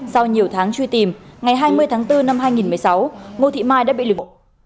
sau nhiều tháng truy tìm ngày hai mươi tháng bốn năm hai nghìn một mươi sáu ngô thị mai đã bị lực bộ